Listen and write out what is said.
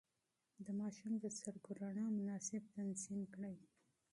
د ماشوم د سترګو رڼا مناسب تنظيم کړئ.